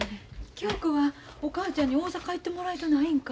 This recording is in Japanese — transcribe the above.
恭子はお母ちゃんに大阪行ってもらいとうないんか？